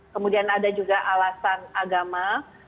kemudian ada juga alasan agama